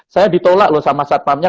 saya ditolak loh sama satpamnya